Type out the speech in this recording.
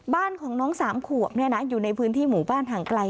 บ้านของน้อง๓ขวบอยู่ในพื้นที่หมู่บ้านห่างไกล